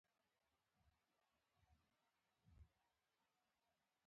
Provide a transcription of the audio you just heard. چی لور لرې ، زوم به خدای در کړي.